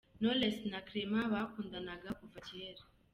Knowless na Clement bakundanaga kuva cyera.